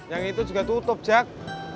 yang itu juga tutup jak